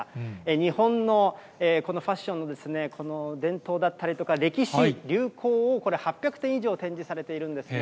日本のこのファッションのこの伝統だったりとか歴史、流行をこれ、８００点以上展示されているんですね。